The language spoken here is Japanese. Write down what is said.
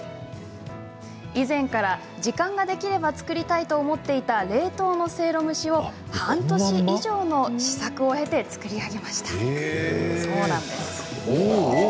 以前から、時間ができれば作りたいと思っていた冷凍のせいろ蒸しを半年以上の試作を経て作り上げました。